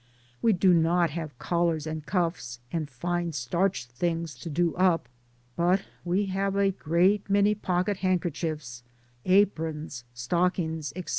We do not have collars and cuffs, and fine starched things to do up, but we have a great many pocket handkerchiefs, aprons, stockings, etc.